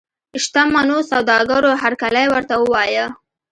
شته منو سوداګرو هرکلی ورته ووایه.